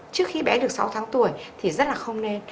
trước khi bé được sáu tháng tuổi thì rất là không nên